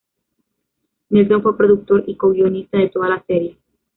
Nelson fue productor y co-guionista de toda la serie.